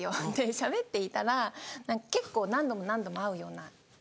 しゃべっていたら結構何度も何度も会うような。